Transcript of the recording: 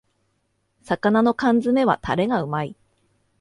魚の缶詰めはタレがうまい